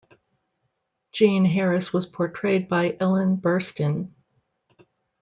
Jean Harris was portrayed by Ellen Burstyn.